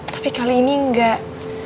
tapi kali ini enggak